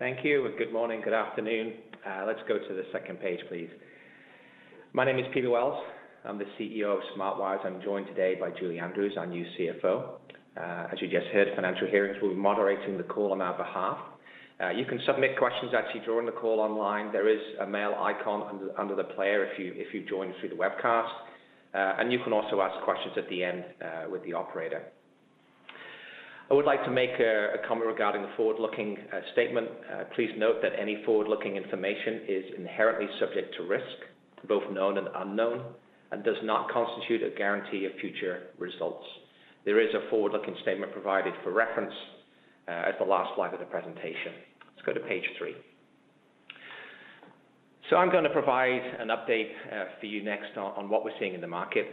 Thank you, and good morning. Good afternoon. Let's go to the second page, please. My name is Peter Wells. I'm the CEO of Smart Wires. I'm joined today by Julie Andrews, our new CFO. As you just heard, Financial Hearings will be moderating the call on our behalf. You can submit questions actually during the call online. There is a mail icon under the player if you joined through the webcast. And you can also ask questions at the end with the operator. I would like to make a comment regarding the forward-looking statement. Please note that any forward-looking information is inherently subject to risk, both known and unknown, and does not constitute a guarantee of future results. There is a forward-looking statement provided for reference at the last slide of the presentation. Let's go to page three. I'm gonna provide an update for you next on what we're seeing in the market.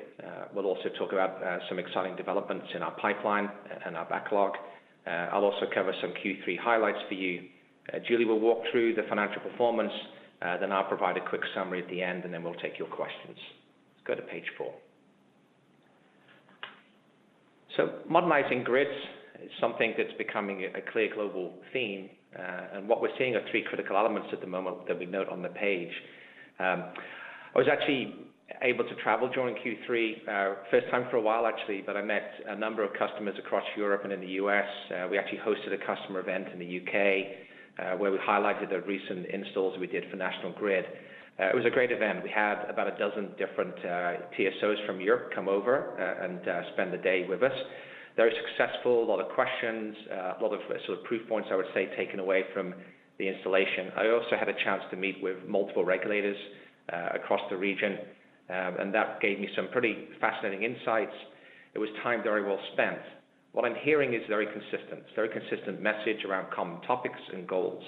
We'll also talk about some exciting developments in our pipeline and our backlog. I'll also cover some Q3 highlights for you. Julie will walk through the financial performance, then I'll provide a quick summary at the end, and then we'll take your questions. Let's go to page four. Modernizing grids is something that's becoming a clear global theme. What we're seeing are three critical elements at the moment that we note on the page. I was actually able to travel during Q3, first time for a while actually, but I met a number of customers across Europe and in the U.S. We actually hosted a customer event in the U.K., where we highlighted the recent installs we did for National Grid. It was a great event. We had about a dozen different TSOs from Europe come over and spend the day with us. Very successful, a lot of questions, a lot of sort of proof points, I would say, taken away from the installation. I also had a chance to meet with multiple regulators across the region, and that gave me some pretty fascinating insights. It was time very well spent. What I'm hearing is very consistent. It's very consistent message around common topics and goals.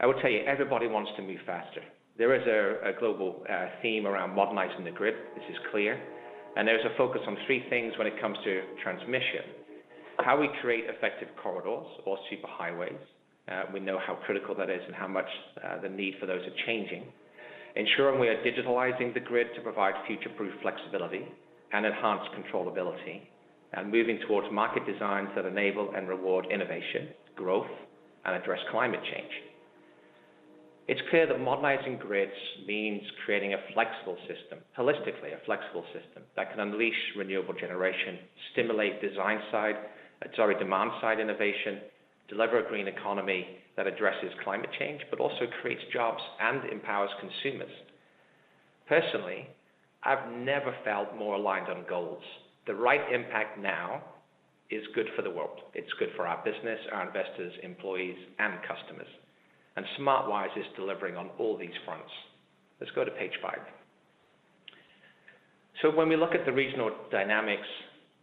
I will tell you, everybody wants to move faster. There is a global theme around modernizing the grid. This is clear, and there's a focus on three things when it comes to transmission. How we create effective corridors or super highways. We know how critical that is and how much, the need for those are changing. Ensuring we are digitalizing the grid to provide future-proof flexibility and enhanced controllability, and moving towards market designs that enable and reward innovation, growth, and address climate change. It's clear that modernizing grids means creating a flexible system, holistically, a flexible system that can unleash renewable generation, stimulate design side, sorry, demand-side innovation, deliver a green economy that addresses climate change, but also creates jobs and empowers consumers. Personally, I've never felt more aligned on goals. The right impact now is good for the world. It's good for our business, our investors, employees, and customers, and Smart Wires is delivering on all these fronts. Let's go to page five. When we look at the regional dynamics,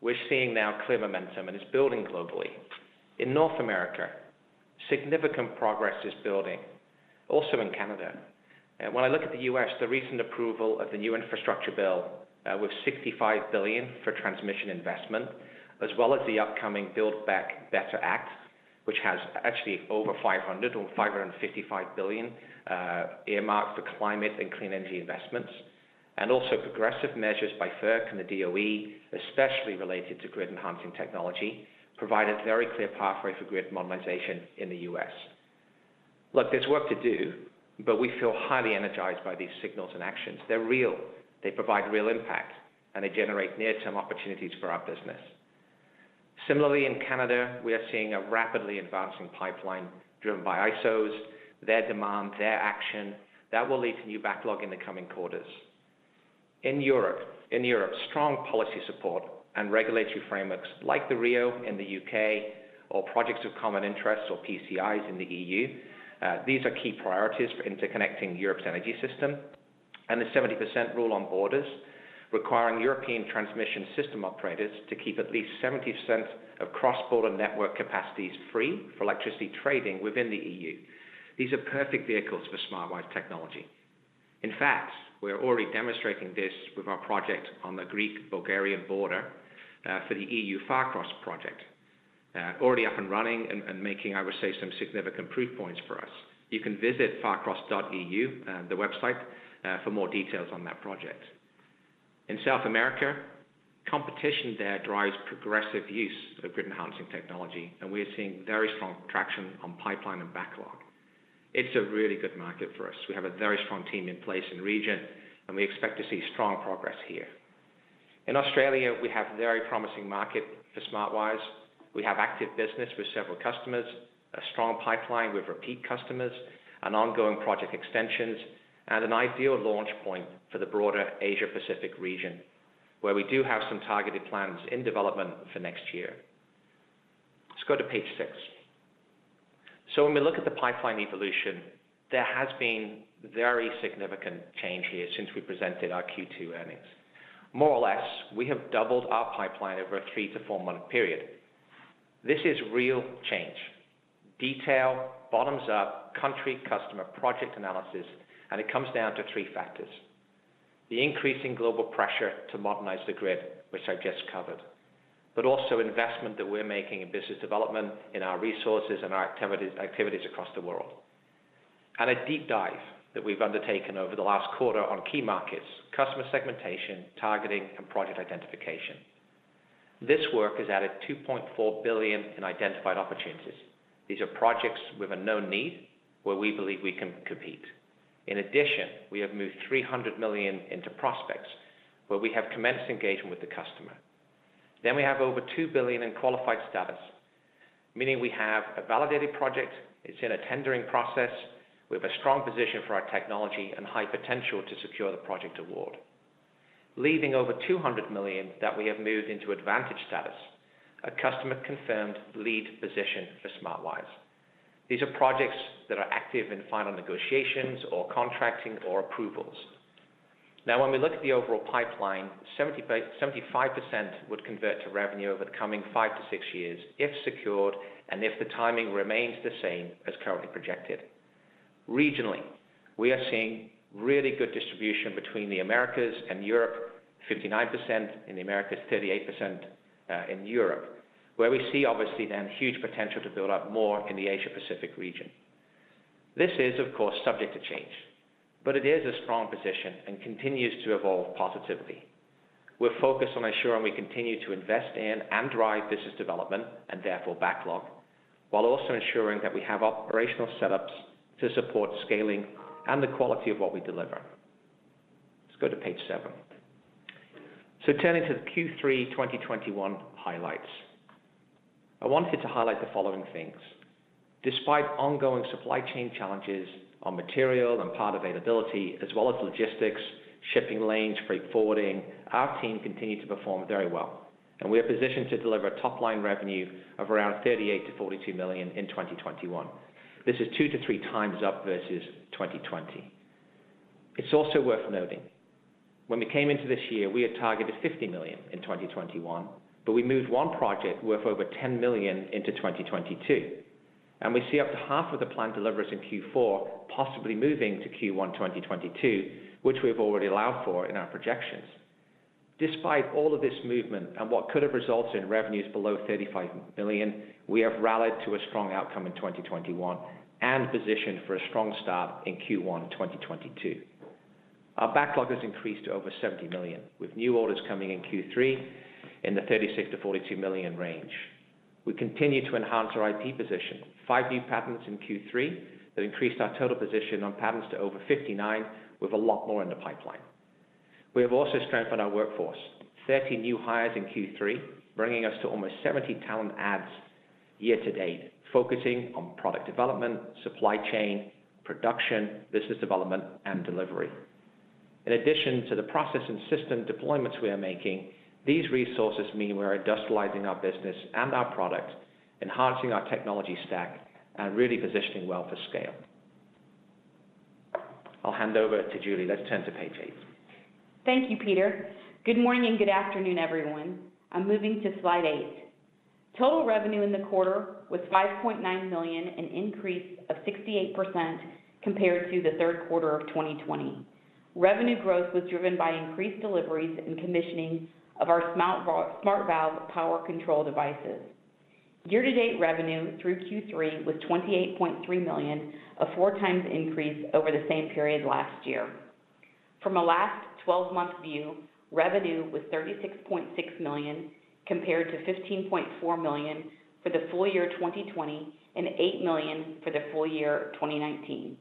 we're seeing now clear momentum, and it's building globally. In North America, significant progress is building, also in Canada. When I look at the U.S., the recent approval of the new infrastructure bill, with $65 billion for transmission investment, as well as the upcoming Build Back Better Act, which has actually over $500 billion or $555 billion, earmarked for climate and clean energy investments. Also progressive measures by FERC and the DOE, especially related to grid-enhancing technology, provide a very clear pathway for grid modernization in the U.S. Look, there's work to do, but we feel highly energized by these signals and actions. They're real. They provide real impact, and they generate near-term opportunities for our business. Similarly, in Canada, we are seeing a rapidly advancing pipeline driven by ISOs, their demand, their action that will lead to new backlog in the coming quarters. In Europe, strong policy support and regulatory frameworks like the RIIO in the U.K. or Projects of Common Interest or PCIs in the EU, these are key priorities for interconnecting Europe's energy system. The 70% rule on borders requiring European transmission system operators to keep at least 70% of cross-border network capacities free for electricity trading within the EU. These are perfect vehicles for Smart Wires technology. In fact, we are already demonstrating this with our project on the Greek-Bulgarian border for the EU FARCROSS project already up and running and making, I would say, some significant proof points for us. You can visit farcross.eu, the website, for more details on that project. In South America, competition there drives progressive use of grid-enhancing technology, and we're seeing very strong traction on pipeline and backlog. It's a really good market for us. We have a very strong team in place and region, and we expect to see strong progress here. In Australia, we have very promising market for Smart Wires. We have active business with several customers, a strong pipeline with repeat customers, and ongoing project extensions, and an ideal launch point for the broader Asia-Pacific region, where we do have some targeted plans in development for next year. Let's go to page six. When we look at the pipeline evolution, there has been very significant change here since we presented our Q2 earnings. More or less, we have doubled our pipeline over a 3- to 4-month period. This is real change. Detail, bottoms-up, country customer project analysis, and it comes down to three factors. The increasing global pressure to modernize the grid, which I just covered. Also investment that we're making in business development in our resources and our activities across the world. A deep dive that we've undertaken over the last quarter on key markets, customer segmentation, targeting, and project identification. This work has added $2.4 billion in identified opportunities. These are projects with a known need where we believe we can compete. In addition, we have moved $300 million into prospects, where we have commenced engagement with the customer. We have over $2 billion in qualified status, meaning we have a validated project, it's in a tendering process, we have a strong position for our technology and high potential to secure the project award. Leaving over $200 million that we have moved into advanced status, a customer-confirmed lead position for Smart Wires. These are projects that are active in final negotiations or contracting or approvals. Now, when we look at the overall pipeline, 75% would convert to revenue over the coming five to six years if secured and if the timing remains the same as currently projected. Regionally, we are seeing really good distribution between the Americas and Europe, 59% in the Americas, 38% in Europe, where we see obviously then huge potential to build out more in the Asia-Pacific region. This is, of course, subject to change, but it is a strong position and continues to evolve positively. We're focused on ensuring we continue to invest in and drive business development and therefore backlog, while also ensuring that we have operational setups to support scaling and the quality of what we deliver. Let's go to page seven. Turning to the Q3 2021 highlights. I wanted to highlight the following things. Despite ongoing supply chain challenges on material and part availability, as well as logistics, shipping lanes, freight forwarding, our team continued to perform very well and we are positioned to deliver a top-line revenue of around $38 million-$42 million in 2021. This is 2-3 times up versus 2020. It's also worth noting when we came into this year, we had targeted $50 million in 2021, but we moved one project worth over $10 million into 2022, and we see up to half of the planned deliveries in Q4 possibly moving to Q1 2022, which we've already allowed for in our projections. Despite all of this movement and what could have resulted in revenues below $35 million, we have rallied to a strong outcome in 2021 and positioned for a strong start in Q1 2022. Our backlog has increased to over $70 million, with new orders coming in Q3 in the $36 million-$42 million range. We continue to enhance our IP position. Five new patents in Q3 that increased our total position on patents to over 59, with a lot more in the pipeline. We have also strengthened our workforce. 30 new hires in Q3, bringing us to almost 70 talent adds year to date, focusing on product development, supply chain, production, business development, and delivery. In addition to the process and system deployments we are making, these resources mean we're industrializing our business and our product, enhancing our technology stack, and really positioning well for scale. I'll hand over to Julie. Let's turn to page 8. Thank you, Peter. Good morning and good afternoon, everyone. I'm moving to slide eight. Total revenue in the quarter was $5.9 million, an increase of 68% compared to Q3 2020. Revenue growth was driven by increased deliveries and commissioning of our SmartValve power control devices. Year-to-date revenue through Q3 was $28.3 million, a 4x increase over the same period last year. From a last twelve-month view, revenue was $36.6 million compared to $15.4 million for the full year 2020 and $8 million for the full year 2019.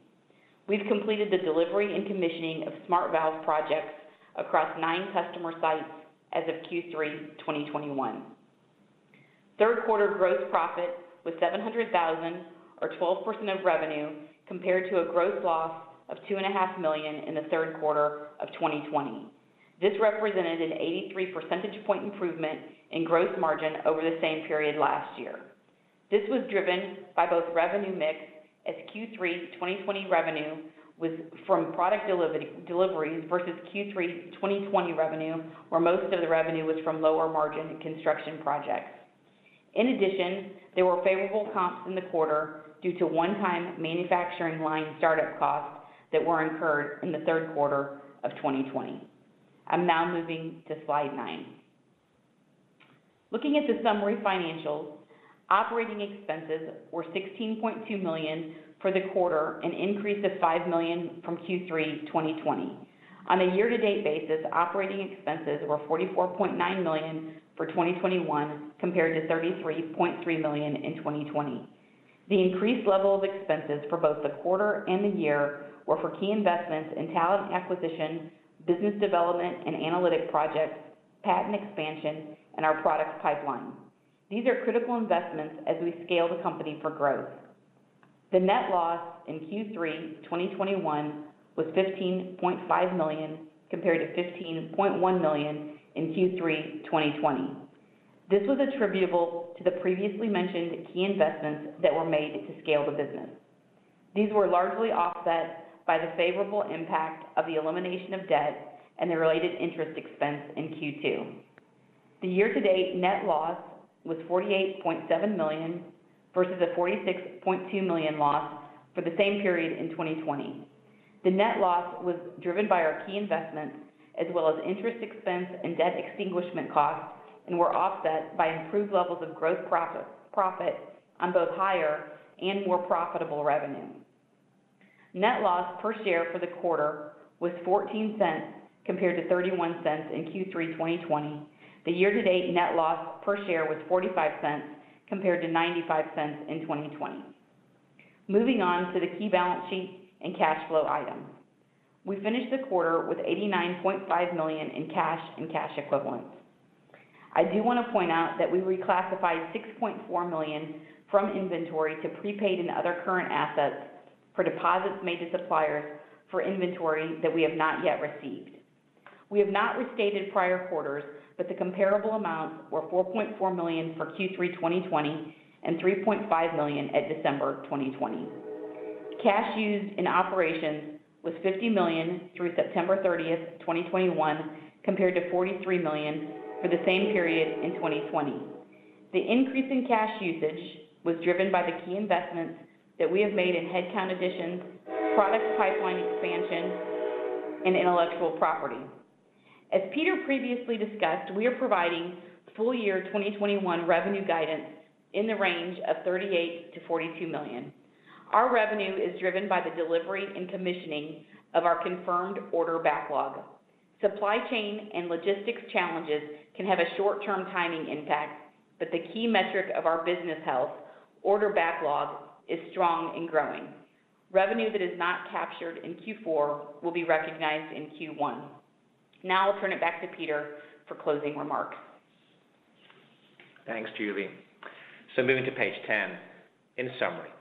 We've completed the delivery and commissioning of SmartValve projects across nine customer sites as of Q3 2021. Third quarter gross profit was $700,000 or 12% of revenue compared to a gross loss of $2.5 million in the third quarter of 2020. This represented an 83 percentage point improvement in gross margin over the same period last year. This was driven by both revenue mix as Q3 2020 revenue was from product delivery, deliveries versus Q3 2020 revenue, where most of the revenue was from lower margin construction projects. In addition, there were favorable comps in the quarter due to one-time manufacturing line startup costs that were incurred in the third quarter of 2020. I'm now moving to slide 9. Looking at the summary financials, operating expenses were $16.2 million for the quarter, an increase of $5 million from Q3 2020. On a year-to-date basis, operating expenses were $44.9 million for 2021 compared to $33.3 million in 2020. The increased level of expenses for both the quarter and the year were for key investments in talent acquisition, business development and analytic projects, patent expansion, and our products pipeline. These are critical investments as we scale the company for growth. The net loss in Q3 2021 was $15.5 million compared to $15.1 million in Q3 2020. This was attributable to the previously mentioned key investments that were made to scale the business. These were largely offset by the favorable impact of the elimination of debt and the related interest expense in Q2. The year-to-date net loss was $48.7 million versus a $46.2 million loss for the same period in 2020. The net loss was driven by our key investments as well as interest expense and debt extinguishment costs, and were offset by improved levels of growth profit on both higher and more profitable revenue. Net loss per share for the quarter was $0.14 compared to $0.31 in Q3 2020. The year-to-date net loss per share was $0.45 compared to $0.95 in 2020. Moving on to the key balance sheet and cash flow item. We finished the quarter with $89.5 million in cash and cash equivalents. I do wanna point out that we reclassified $6.4 million from inventory to prepaid and other current assets for deposits made to suppliers for inventory that we have not yet received. We have not restated prior quarters, but the comparable amounts were $4.4 million for Q3 2020 and $3.5 million at December 2020. Cash used in operations was $50 million through September 30, 2021, compared to $43 million for the same period in 2020. The increase in cash usage was driven by the key investments that we have made in headcount additions, product pipeline expansion, and intellectual property. As Peter previously discussed, we are providing full year 2021 revenue guidance in the range of $38 million-$42 million. Our revenue is driven by the delivery and commissioning of our confirmed order backlog. Supply chain and logistics challenges can have a short-term timing impact, but the key metric of our business health order backlog is strong and growing. Revenue that is not captured in Q4 will be recognized in Q1. Now I'll turn it back to Peter for closing remarks. Thanks, Julie. Moving to page 10. In summary,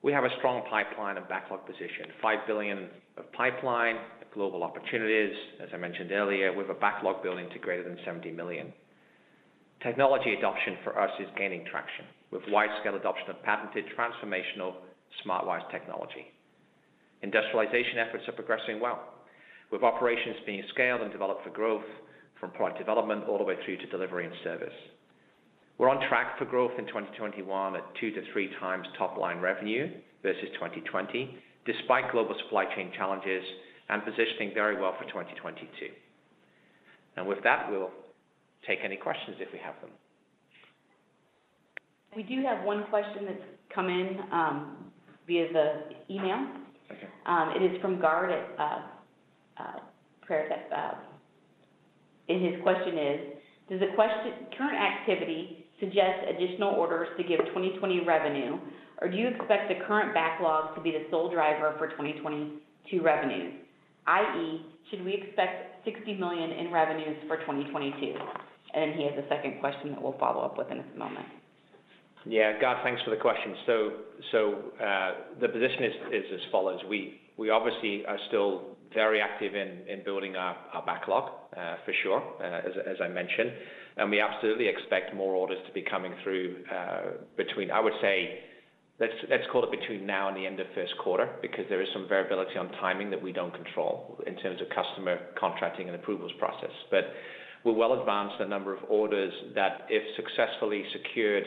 we have a strong pipeline of backlog position, $5 billion of pipeline of global opportunities. As I mentioned earlier, we have a backlog building to greater than $70 million. Technology adoption for us is gaining traction with widescale adoption of patented transformational Smart Wires technology. Industrialization efforts are progressing well with operations being scaled and developed for growth from product development all the way through to delivery and service. We're on track for growth in 2021 at 2-3 times top line revenue versus 2020, despite global supply chain challenges and positioning very well for 2022. With that, we'll take any questions if we have them. We do have one question that's come in, via the email. Okay. It is from Grant at Pareto. His question is, "Does the current activity suggest additional orders to give 2020 revenue, or do you expect the current backlogs to be the sole driver for 2022 revenue? i.e., should we expect $60 million in revenues for 2022?" He has a second question that we'll follow up with in just a moment. Yeah. Grant, thanks for the question. The position is as follows. We obviously are still very active in building our backlog, for sure, as I mentioned, and we absolutely expect more orders to be coming through, between, I would say, let's call it between now and the end of first quarter because there is some variability on timing that we don't control in terms of customer contracting and approvals process. We're well advanced a number of orders that if successfully secured,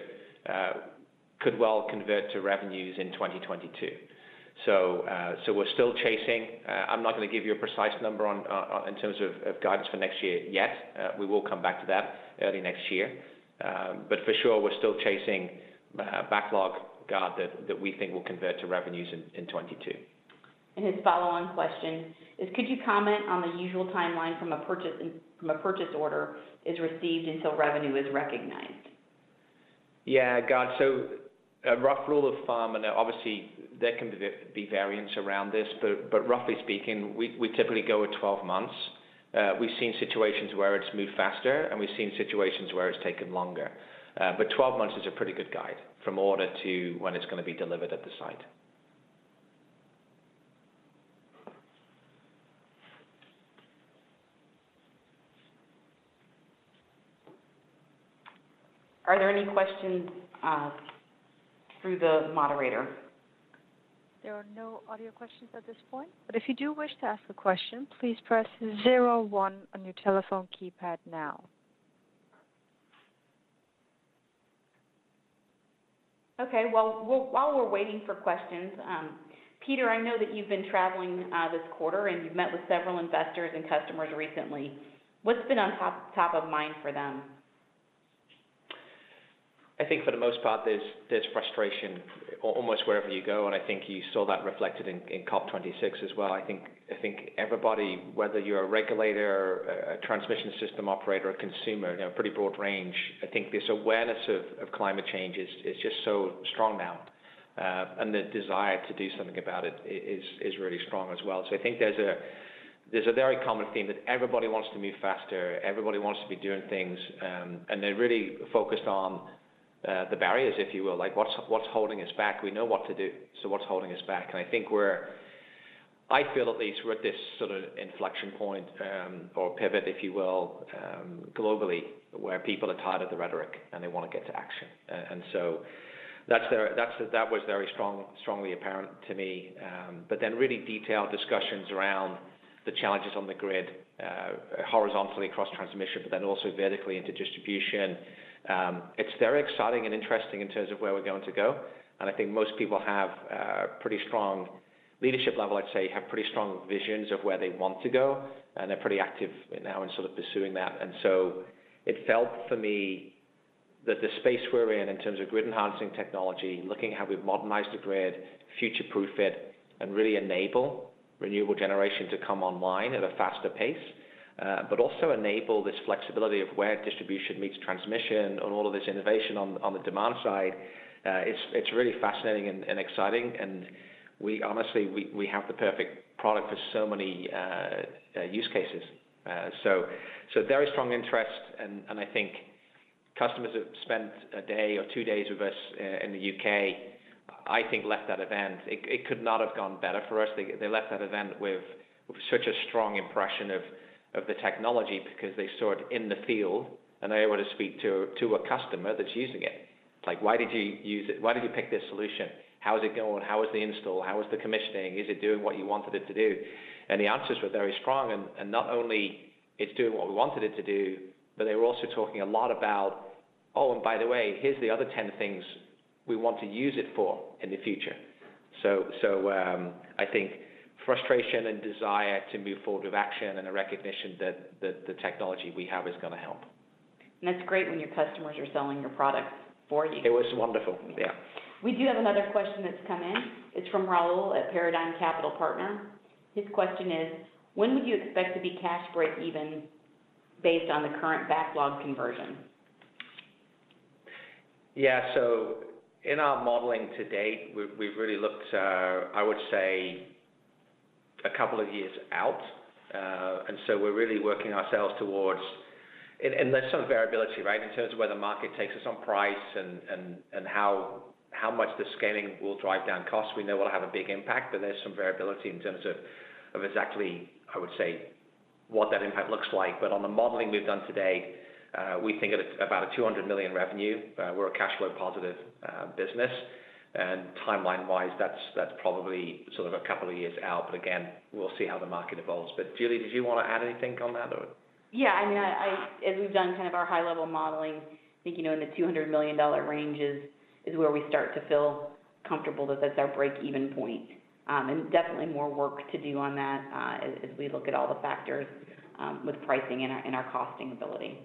could well convert to revenues in 2022. We're still chasing. I'm not gonna give you a precise number on, in terms of, guidance for next year yet. We will come back to that early next year. For sure, we're still chasing backlog, Grant, that we think will convert to revenues in 2022. His follow-on question is, "Could you comment on the usual timeline from a purchase order is received until revenue is recognized? Yeah, Grant. A rough rule of thumb, and obviously there can be variance around this, but roughly speaking, we typically go at 12 months. We've seen situations where it's moved faster, and we've seen situations where it's taken longer. 12 months is a pretty good guide from order to when it's gonna be delivered at the site. Are there any questions through the moderator? There are no audio questions at this point. But if you do wish to ask a question, please press zero one on your telephone keypad now. Okay. Well, while we're waiting for questions, Peter, I know that you've been traveling this quarter, and you've met with several investors and customers recently. What's been on top of mind for them? I think for the most part there's frustration almost wherever you go, and I think you saw that reflected in COP26 as well. I think everybody, whether you're a regulator or a transmission system operator or consumer, you know, a pretty broad range, I think this awareness of climate change is just so strong now. The desire to do something about it is really strong as well. I think there's a very common theme that everybody wants to move faster, everybody wants to be doing things, and they're really focused on the barriers, if you will. Like what's holding us back? We know what to do, so what's holding us back? I think I feel at least we're at this sort of inflection point, or pivot, if you will, globally, where people are tired of the rhetoric and they wanna get to action. That's the That was very strongly apparent to me. Really detailed discussions around the challenges on the grid, horizontally across transmission, but then also vertically into distribution. It's very exciting and interesting in terms of where we're going to go. I think most people have a pretty strong leadership level, I'd say, have pretty strong visions of where they want to go, and they're pretty active now in sort of pursuing that. It felt for me that the space we're in terms of grid-enhancing technology, looking how we've modernized the grid, future-proof it, and really enable renewable generation to come online at a faster pace, but also enable this flexibility of where distribution meets transmission and all of this innovation on the demand side. It's really fascinating and exciting. We honestly have the perfect product for so many use cases. So very strong interest, and I think customers have spent a day or two days with us in the UK and left that event. It could not have gone better for us. They left that event with such a strong impression of the technology because they saw it in the field, and they were to speak to a customer that's using it. Like, "Why did you use it? Why did you pick this solution? How is it going? How was the install? How was the commissioning? Is it doing what you wanted it to do?" The answers were very strong, and not only it's doing what we wanted it to do, but they were also talking a lot about, "Oh, and by the way, here's the other 10 things we want to use it for in the future." I think frustration and desire to move forward with action and a recognition that the technology we have is gonna help. It's great when your customers are selling your product for you. It was wonderful. Yeah. We do have another question that's come in. It's from Rahul at Paradigm Capital. His question is: When would you expect to be cash breakeven based on the current backlog conversion? Yeah. In our modeling to date, we've really looked, I would say, a couple of years out. We're really working ourselves towards. There's some variability, right? In terms of where the market takes us on price and how much the scaling will drive down costs. We know we'll have a big impact, but there's some variability in terms of exactly, I would say, what that impact looks like. On the modeling we've done today, we think of it about $200 million revenue. We're a cash flow positive business. Timeline-wise, that's probably sort of a couple of years out. Again, we'll see how the market evolves. Julie, did you want to add anything on that or? Yeah, I mean, as we've done kind of our high-level modeling, I think, you know, in the $200 million range is where we start to feel comfortable that that's our break-even point. Definitely more work to do on that, as we look at all the factors, with pricing and our costing ability.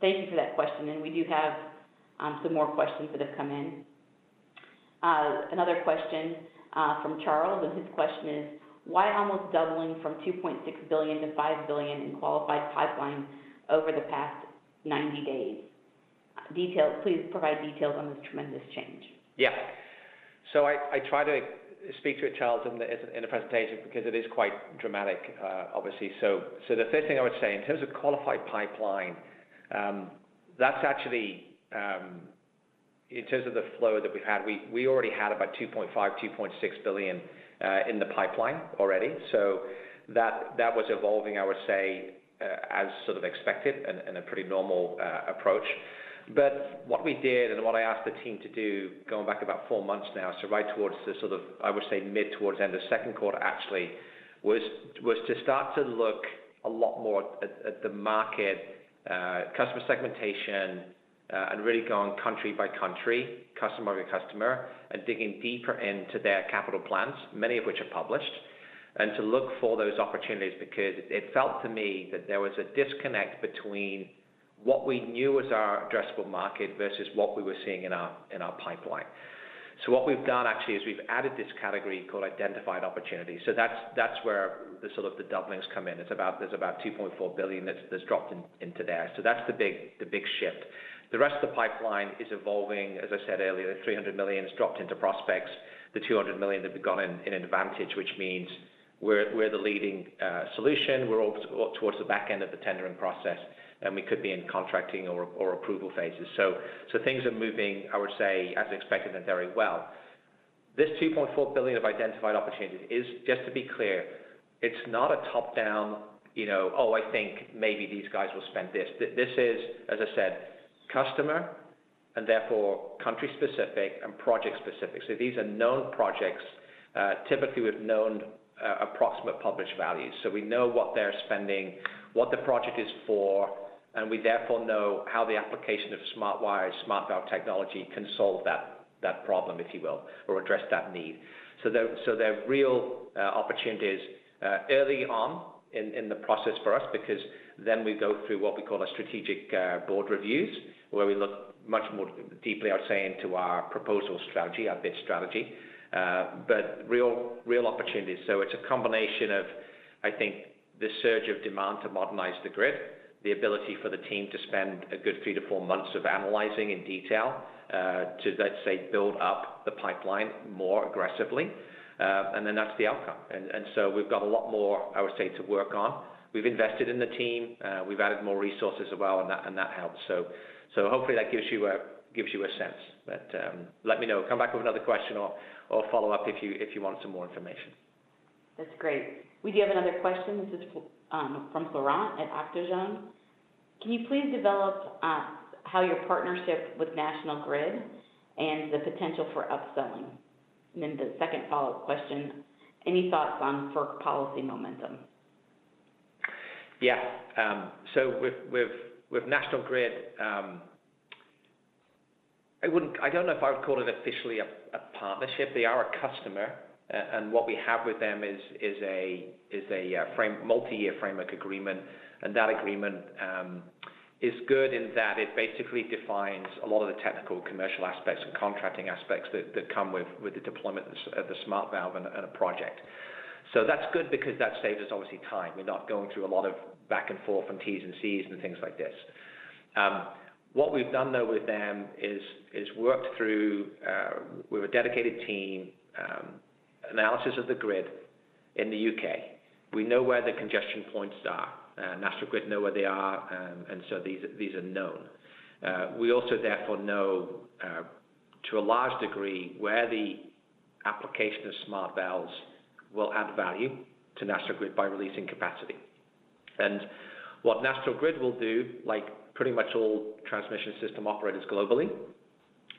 Thank you for that question. We do have some more questions that have come in. Another question from Charles, and his question is: Why almost doubling from $2.6 billion-$5 billion in qualified pipeline over the past 90 days? Details. Please provide details on this tremendous change. Yeah. I try to speak to it, Charles, as in the presentation because it is quite dramatic, obviously. The first thing I would say, in terms of qualified pipeline, that's actually in terms of the flow that we've had. We already had about $2.5 billion-$2.6 billion in the pipeline already. That was evolving, I would say, as sort of expected in a pretty normal approach. What we did and what I asked the team to do, going back about four months now, right towards the sort of, I would say, mid- to end of second quarter, actually, was to start to look a lot more at the market, customer segmentation, and really going country by country, customer by customer, and digging deeper into their capital plans, many of which are published, and to look for those opportunities. Because it felt to me that there was a disconnect between what we knew was our addressable market versus what we were seeing in our pipeline. What we've done actually is we've added this category called identified opportunities. That's where the sort of the doublings come in. It's about there's about $2.4 billion that's dropped into there. That's the big shift. The rest of the pipeline is evolving. As I said earlier, $300 million has dropped into prospects. The $200 million have gone into advantage, which means we're the leading solution. We're towards the back end of the tendering process, and we could be in contracting or approval phases. Things are moving, I would say, as expected and very well. This $2.4 billion of identified opportunities is, just to be clear, it's not a top-down, you know, "Oh, I think maybe these guys will spend this." This is, as I said, customer and therefore country specific and project specific. These are known projects, typically with known, approximate published values. We know what they're spending, what the project is for, and we therefore know how the application of Smart Wires SmartValve technology can solve that problem, if you will, or address that need. They're real opportunities early on in the process for us, because then we go through what we call our strategic board reviews, where we look much more deeply, I would say, into our proposal strategy, our bid strategy, but real opportunities. It's a combination of, I think, the surge of demand to modernize the grid, the ability for the team to spend a good three to four months analyzing in detail to, let's say, build up the pipeline more aggressively, and then that's the outcome. We've got a lot more, I would say, to work on. We've invested in the team, we've added more resources as well, and that helps. Hopefully that gives you a sense. Let me know. Come back with another question or follow up if you want some more information. That's great. We do have another question. This is from Florent at Octogone. Can you please develop how your partnership with National Grid and the potential for upselling? And then the second follow-up question, any thoughts on FERC policy momentum? Yeah. With National Grid, I don't know if I would call it officially a partnership. They are a customer. What we have with them is a multi-year framework agreement. That agreement is good in that it basically defines a lot of the technical commercial aspects and contracting aspects that come with the deployment of the SmartValve in a project. That's good because that saves us obviously time. We're not going through a lot of back and forth and T's and C's and things like this. What we've done, though, with them is worked through with a dedicated team analysis of the grid in the U.K. We know where the congestion points are. National Grid know where they are, and so these are known. We also therefore know, to a large degree, where the application of SmartValve will add value to National Grid by releasing capacity. What National Grid will do, like pretty much all transmission system operators globally,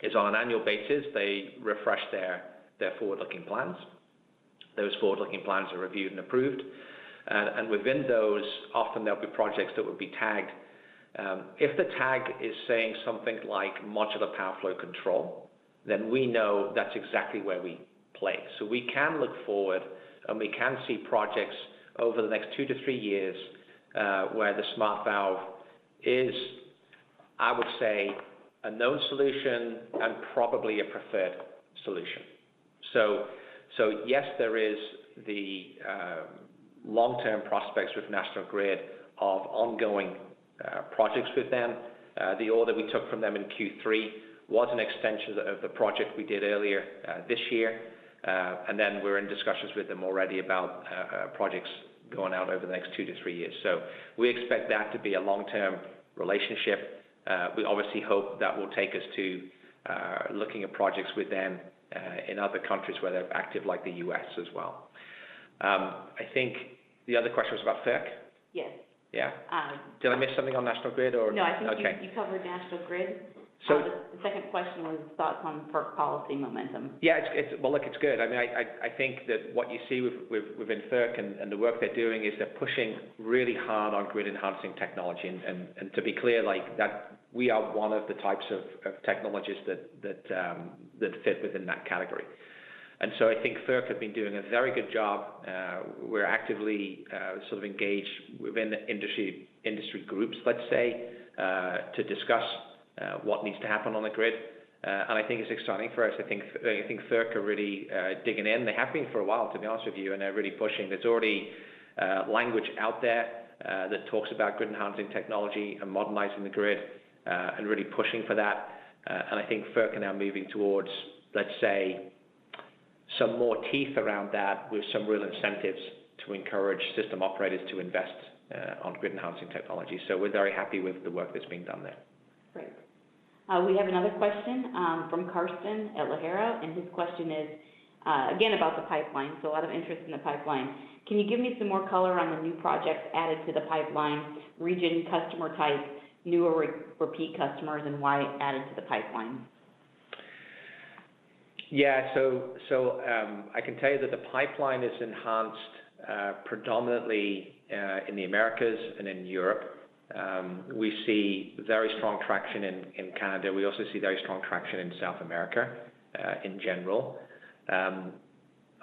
is on an annual basis, they refresh their forward-looking plans. Those forward-looking plans are reviewed and approved. Within those, often there'll be projects that will be tagged. If the tag is saying something like Modular Power Flow Control, then we know that's exactly where we play. We can look forward, and we can see projects over the next 2-3 years, where the SmartValve is, I would say, a known solution and probably a preferred solution. Yes, there is the long-term prospects with National Grid of ongoing projects with them. The order we took from them in Q3 was an extension of the project we did earlier this year. We're in discussions with them already about projects going out over the next two to three years. We expect that to be a long-term relationship. We obviously hope that will take us to looking at projects with them in other countries where they're active, like the U.S. as well. I think the other question was about FERC? Yes. Yeah. Um- Did I miss something on National Grid or? No, I think you. Okay. You covered National Grid. So- The second question was thoughts on FERC policy momentum. Yeah, it's good. Well, look, it's good. I mean, I think that what you see within FERC and the work they're doing is they're pushing really hard on grid-enhancing technology. To be clear, like, that we are one of the types of technologies that fit within that category. I think FERC have been doing a very good job. We're actively sort of engaged within the industry groups, let's say, to discuss what needs to happen on the grid. I think it's exciting for us. I think FERC are really digging in. They have been for a while, to be honest with you, and they're really pushing. There's already language out there that talks about grid-enhancing technology and modernizing the grid and really pushing for that. I think FERC are now moving towards, let's say, some more teeth around that with some real incentives to encourage system operators to invest on grid-enhancing technology. We're very happy with the work that's being done there. Great. We have another question from Carsten at Tagora, and his question is again about the pipeline, so a lot of interest in the pipeline. Can you give me some more color on the new projects added to the pipeline, region, customer type, new or repeat customers, and why added to the pipeline? I can tell you that the pipeline is enhanced predominantly in the Americas and in Europe. We see very strong traction in Canada. We also see very strong traction in South America in general.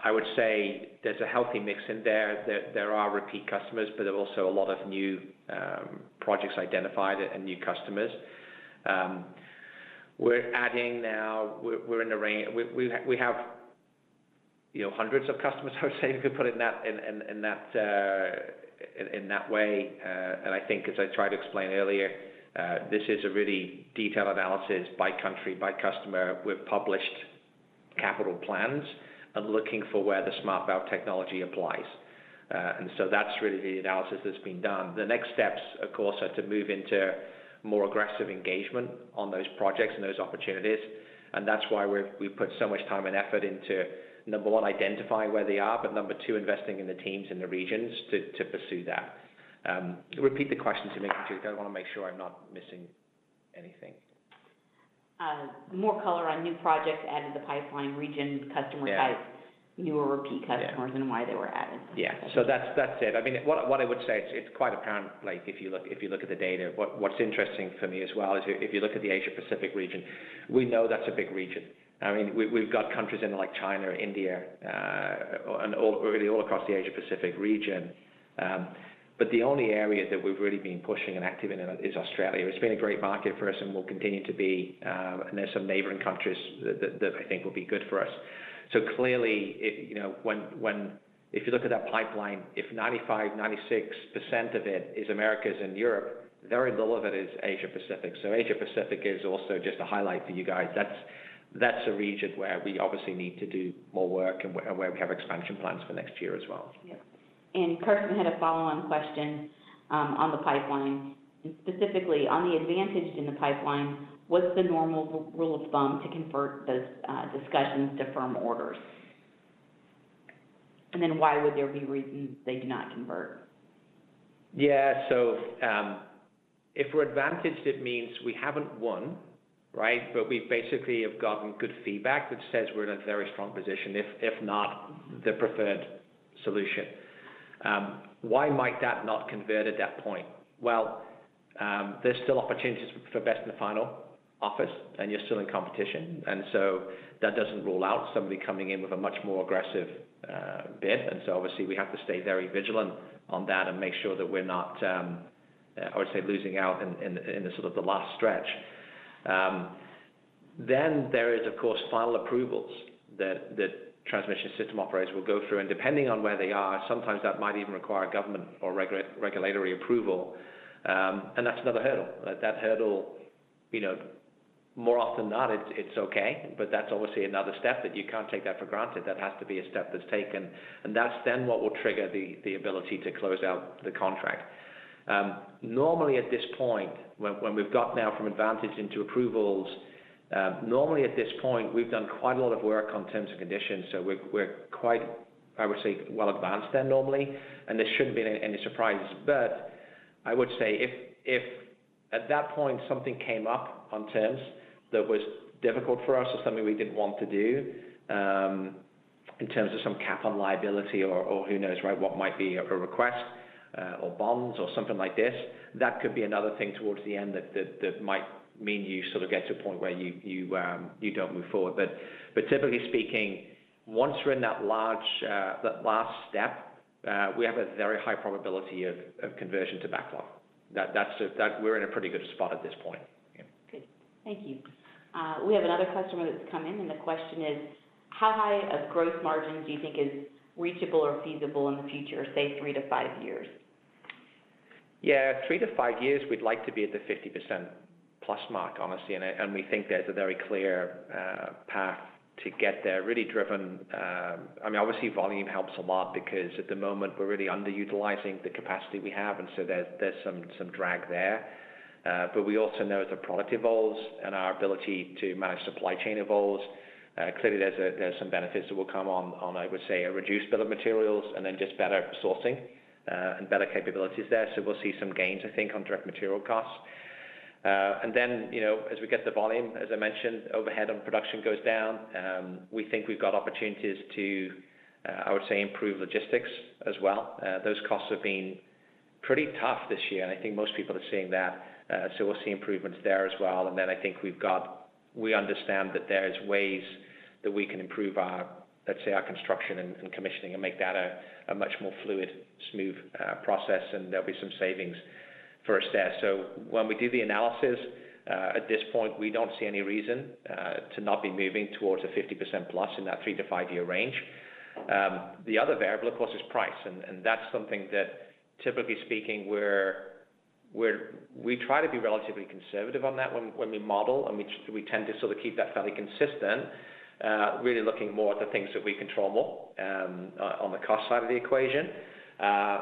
I would say there's a healthy mix in there. There are repeat customers, but there are also a lot of new projects identified and new customers. We have you know hundreds of customers, I would say, if we put it in that way. I think as I tried to explain earlier, this is a really detailed analysis by country, by customer. We've published capital plans and looking for where the SmartValve technology applies. That's really the analysis that's been done. The next steps, of course, are to move into more aggressive engagement on those projects and those opportunities. That's why we've put so much time and effort into, number one, identifying where they are, but number two, investing in the teams in the regions to pursue that. Repeat the question to me, if you do want to make sure I'm not missing anything. More color on new projects added to the pipeline, region, customer type. Yeah. New or repeat customers. Yeah. Why they were added. Yeah, that's it. I mean, what I would say, it's quite apparent, like, if you look at the data, what's interesting for me as well is if you look at the Asia Pacific region, we know that's a big region. I mean, we've got countries in like China, India, and all, really all across the Asia Pacific region. The only area that we've really been pushing and active in is Australia. It's been a great market for us and will continue to be, and there's some neighboring countries that I think will be good for us. Clearly, it, you know, if you look at that pipeline, if 95%-96% of it is Americas and Europe, very little of it is Asia Pacific. Asia Pacific is also just a highlight for you guys. That's a region where we obviously need to do more work and where we have expansion plans for next year as well. Carsten had a follow-on question on the pipeline, and specifically on the advantage in the pipeline. What's the normal rule of thumb to convert those discussions to firm orders? Why would there be reasons they do not convert? Yeah. If we're advantaged, it means we haven't won, right? We basically have gotten good feedback that says we're in a very strong position, if not the preferred solution. Why might that not convert at that point? Well, there's still opportunities for bids in the final offers, and you're still in competition. That doesn't rule out somebody coming in with a much more aggressive bid. Obviously we have to stay very vigilant on that and make sure that we're not, I would say, losing out in the sort of last stretch. There is, of course, final approvals that transmission system operators will go through. Depending on where they are, sometimes that might even require government or regulatory approval, and that's another hurdle. That hurdle, you know, more often than not, it's okay. That's obviously another step that you can't take that for granted. That has to be a step that's taken, and that's then what will trigger the ability to close out the contract. Normally at this point when we've got now from advantage into approvals, normally at this point we've done quite a lot of work on terms and conditions. We're quite, I would say, well advanced there normally, and there shouldn't be any surprises. I would say if at that point something came up on terms that was difficult for us or something we didn't want to do, in terms of some cap on liability or who knows, right, what might be a request, or bonds or something like this, that could be another thing towards the end that might mean you sort of get to a point where you don't move forward. Typically speaking, once we're in that last step, we have a very high probability of conversion to backlog. That's. We're in a pretty good spot at this point. Yeah. Great. Thank you. We have another question that's come in, and the question is: how high a growth margin do you think is reachable or feasible in the future, say 3-5 years? Yeah. In 3-5 years, we'd like to be at the +50% mark, honestly. We think there's a very clear path to get there, really driven. I mean, obviously volume helps a lot because at the moment we're really underutilizing the capacity we have, and so there's some drag there. We also know as the product evolves and our ability to manage supply chain evolves, clearly there's some benefits that will come on a reduced bill of materials and then just better sourcing and better capabilities there. We'll see some gains, I think, on direct material costs. You know, as we get the volume, as I mentioned, overhead on production goes down. We think we've got opportunities to improve logistics as well. Those costs have been pretty tough this year, and I think most people are seeing that. We'll see improvements there as well. Then I think we understand that there's ways that we can improve our, let's say, our construction and commissioning and make that a much more fluid, smooth process, and there'll be some savings for us there. When we do the analysis, at this point, we don't see any reason to not be moving towards a +50% in that 3- to 5-year range. The other variable of course is price. That's something that typically speaking we try to be relatively conservative on that when we model, and we tend to sort of keep that fairly consistent. Really looking more at the things that we control more, on the cost side of the equation. As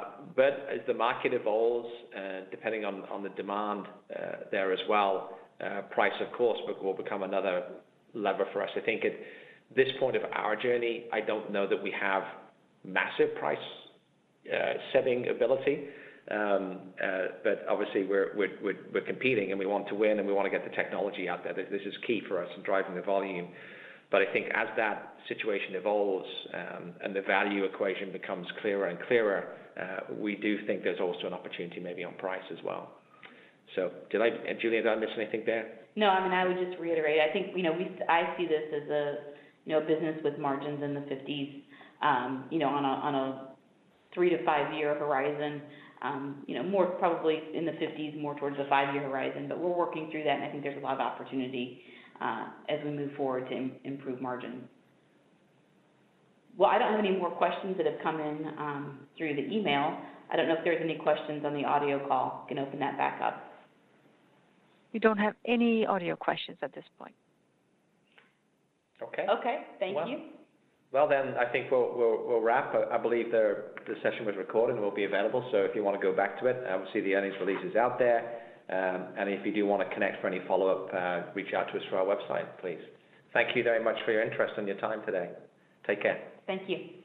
the market evolves, depending on the demand there as well, price of course will become another lever for us. I think at this point of our journey, I don't know that we have massive price setting ability. Obviously we're competing and we want to win, and we wanna get the technology out there. This is key for us in driving the volume. I think as that situation evolves, and the value equation becomes clearer and clearer, we do think there's also an opportunity maybe on price as well. Did I miss anything there, Julie? No. I mean, I would just reiterate. I think, you know, I see this as a, you know, business with margins in the 50%, on a 3-5-year horizon. You know, more probably in the 50%, more towards a 5-year horizon. We're working through that, and I think there's a lot of opportunity as we move forward to improve margin. Well, I don't have any more questions that have come in through the email. I don't know if there's any questions on the audio call. We can open that back up. We don't have any audio questions at this point. Okay. Okay. Thank you. Well, then I think we'll wrap. I believe the session was recorded and will be available, so if you wanna go back to it. Obviously, the earnings release is out there. If you do want to connect for any follow-up, reach out to us through our website, please. Thank you very much for your interest and your time today. Take care. Thank you.